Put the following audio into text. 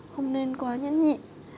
không nên quá nhẫn nhị